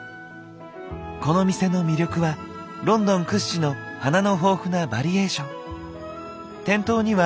この店の魅力はロンドン屈指の花の豊富なバリエーション。